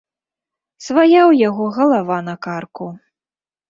Свая ў яго галава на карку.